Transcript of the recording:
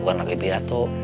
bukan lagi beri ato